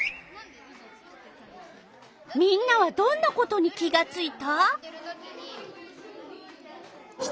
みんなはどんなことに気がついた？